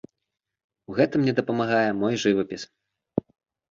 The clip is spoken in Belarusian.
У гэтым мне дапамагае мой жывапіс.